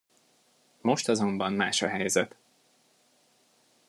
Most azonban más a helyzet.